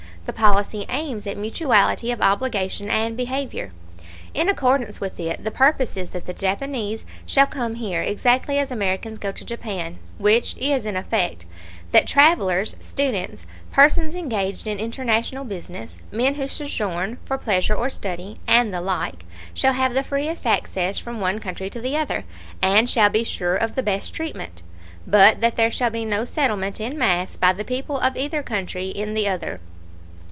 The policy aims at mutuality of obligation and behavior. In accordance with it the purpose is that the Japanese shall come here exactly as Americans go to Japan, which is in effect that travelers, students, persons engaged in international business, men who sojourn for pleasure or study, and the like, shall have the freest access from one country to the other, and shall be sure of the best treatment, but that there shall be no settlement in mass by the people of either country in the other.